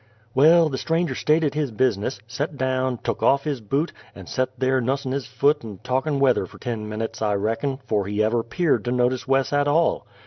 Well, the stranger stated his business, set down, tuk off his boot, and set there nussin' his foot and talkin' weather fer ten minutes, I reckon, 'fore he ever 'peared to notice Wes at all.